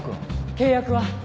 契約は！？